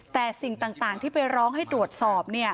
แต่สิ่งต่างที่ไปร้องให้ตรวจสอบ